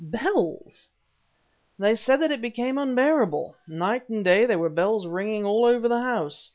"Bells?" "They said that it became unbearable. Night and day there were bells ringing all over the house.